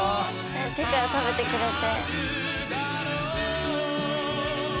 手から食べてくれて。